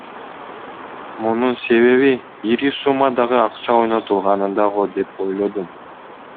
Мунун себеби ири суммадагы акча ойнотулганында го деп ойлодум.